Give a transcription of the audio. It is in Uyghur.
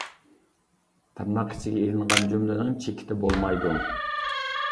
تىرناق ئىچىگە ئېلىنغان جۈملىنىڭ چېكىتى بولمايدۇ.